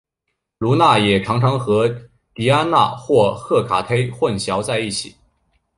卢娜也常常和狄安娜或赫卡忒混淆在一起。